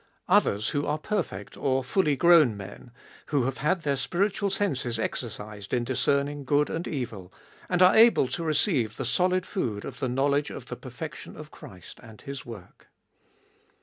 Others who are perfect or fully grown men, who have had their spiritual senses exercised in discerning good and evil, and are able to receive the solid food of the knowledge of the perfection of Christ and His work.